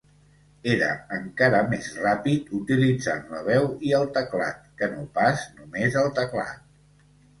Era encara més ràpid utilitzant la veu i el teclat que no pas només el teclat.